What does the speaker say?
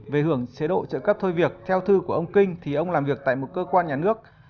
về hưởng chế độ trợ cấp thôi việc theo thư của ông kinh thì ông làm việc tại một cơ quan nhà nước